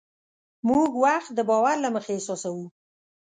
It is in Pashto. موږ وخت د باور له مخې احساسوو.